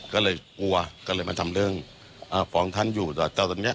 ก็เลยกลัวก็เลยมาทำเรื่องอ่าฟ้องท่านอยู่ต่อเจ้าตัวเนี้ย